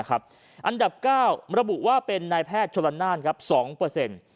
อันดับ๙ระบุว่าเป็นนายแพทย์ชลันนาน๒